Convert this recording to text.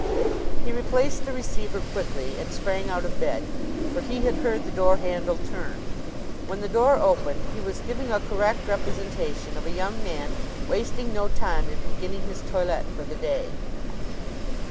He replaced the receiver quickly and sprang out of bed, for he had heard the door handle turn. When the door opened he was giving a correct representation of a young man wasting no time in beginning his toilet for the day.